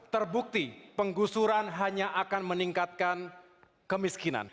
terbukti penggusuran hanya akan meningkatkan kemiskinan